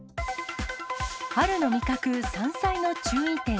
春の味覚、山菜の注意点。